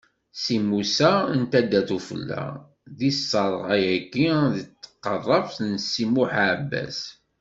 Si Musa n taddart ufella, ad isserɣ ayagi deg tqeṛṛabt n Si Muḥ Aɛebbas.